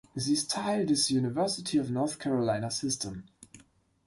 Sie ist Teil des University of North Carolina System.